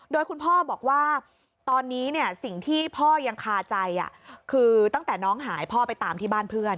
โดยคุณพ่อบอกว่าตอนนี้สิ่งที่พ่อยังคาใจคือตั้งแต่น้องหายพ่อไปตามที่บ้านเพื่อน